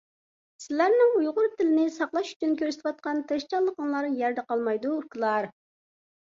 سىلەرنىڭ ، ئۇيغۇر تىلىنى ساقلاش ئۇچۈن كۆرسىتۋاتقان تىرىشچانلىقىڭلار يەردە قالمايدۇ، ئۇكىلار…